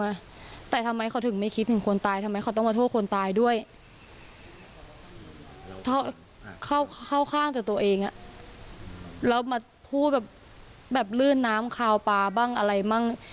เข้าข้างจากตัวเองอะแล้วมาพูดแบบเลื่อนน้ำคาวปลาบ้างอะไรบ้าง